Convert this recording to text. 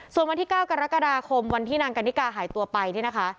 ส่วนวันที่๙กรกฎาคมวันที่นางกันนิกาหายตัวไปเนี่ยนะคะ